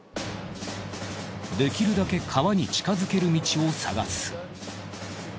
できるだけ川に近づける道を探す。